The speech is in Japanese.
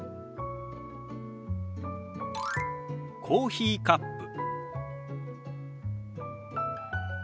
「コーヒーカップ」。